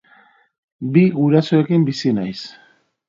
Bi gurasoekin bizi naiz.